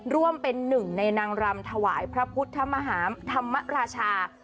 ร่วมเป็นหนึ่งในนางรำถวายพระพุทธมหาธรรมราชา